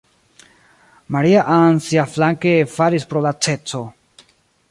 Maria-Ann, siaflanke, falis pro laceco.